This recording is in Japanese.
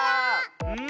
うん。